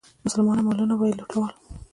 مسلمانانو مالونه به یې لوټل.